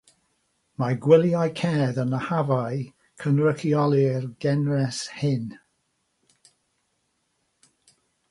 Mae gwyliau cerdd yn yr Hafau'n cynrychioli'r genres hyn.